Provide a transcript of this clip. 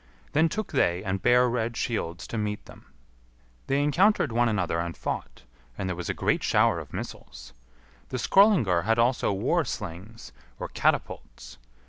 Then took they and bare red shields to meet them. They encountered one another and fought, and there was a great shower of missiles. The Skrœlingar had also war slings, or catapults.